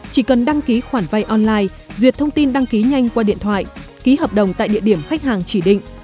chỉ cần đăng ký khoản vay online duyệt thông tin đăng ký nhanh qua điện thoại ký hợp đồng tại địa điểm khách hàng chỉ định